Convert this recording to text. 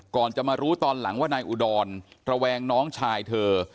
ก่อนจะมารู้ตอนหลังว่านายอุดรระแวงน้องชายเธอ